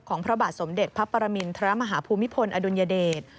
พระบาทสมเด็จพระปรมินทรมาฮภูมิพลอดุลยเดช